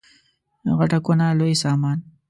غټه کونه لوی سامان.